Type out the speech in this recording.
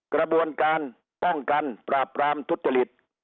กระบวนการป้องกันปราบปรามทุจริต